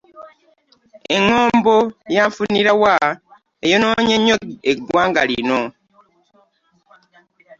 Eŋŋombo ya nfunira wa eyonoonye nnyo eggwanga lino.